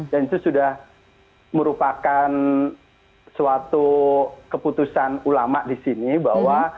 dan itu sudah merupakan suatu keputusan ulama di sini bahwa